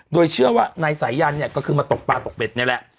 โดยเชื่อว่านายสายันเนี่ยก็คือมาตกปลาตกเบ็ดนี่แหละ